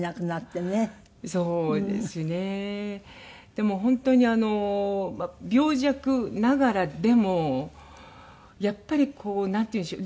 でも本当にあの病弱ながらでもやっぱりこうなんていうんでしょう。